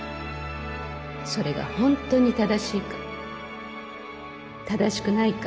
それが本当に正しいか正しくないか。